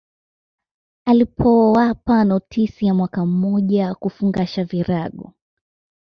Alipowapa notisi ya mwaka mmoja kufungasha virago